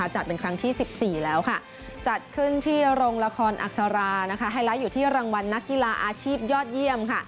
จัดเป็นครั้งที่๑๔แล้วจัดขึ้นที่โรงละครอักษราไฮไลท์อยู่ที่รางวัลนักกีฬาอาชีพยอดเยี่ยม